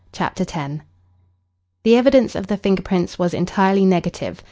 CHAPTER X The evidence of the finger prints was entirely negative.